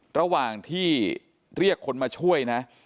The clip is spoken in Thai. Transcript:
ระหว่างที่เรียกคนมาช่วยนะ